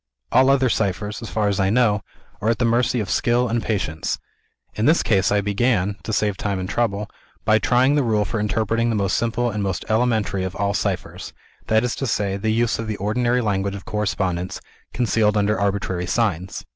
All other ciphers, so far as I know, are at the mercy of skill and patience. In this case I began (to save time and trouble) by trying the rule for interpreting the most simple, and most elementary, of all ciphers that is to say, the use of the ordinary language of correspondence, concealed under arbitrary signs.